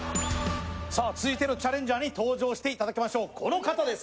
続いてのチャレンジャーに登場していただきましょう、この方です